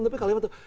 tapi kalimat tuh